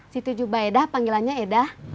si tujuh baedah panggilannya edah